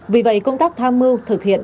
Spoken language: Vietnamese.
vì vậy công tác tham mưu thực hiện